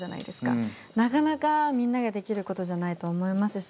なかなかみんなができることじゃないと思いますし。